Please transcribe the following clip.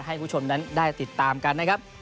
ให้ผู้ชมนั้นได้ติดตามกันนะครับ